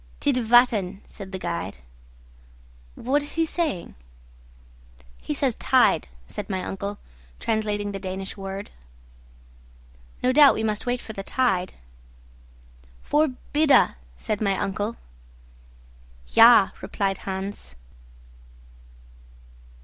"Tidvatten," said the guide. "What is he saying?" "He says tide," said my uncle, translating the Danish word. "No doubt we must wait for the tide." "Förbida," said my uncle. "Ja," replied Hans.